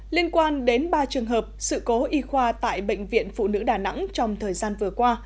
liên quan đến ba trường hợp sự cố y khoa tại bệnh viện phụ nữ đà nẵng trong thời gian vừa qua